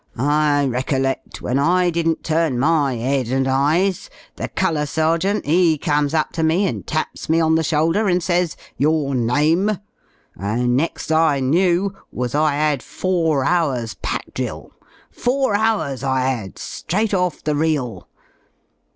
I recoiled when I didn't turn my 'ead and eyes, the Colour Sergeant V comes up to me and taps me on the shoulder and says: '''Tour name^' and next I knew was I * ad four hours* pack drill — four hours I 'ad straight off 28 the reel.